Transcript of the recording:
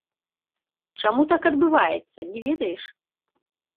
Чаму так адбываецца, не ведаеш?